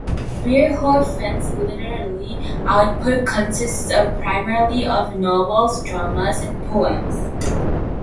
Beer-Hofmann's literary output consists primarily of novellas, dramas, and poems.